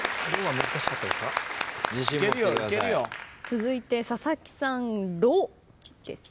続いて佐々木さん「ろ」です。